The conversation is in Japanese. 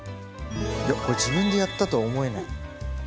いやこれ自分でやったとは思えない。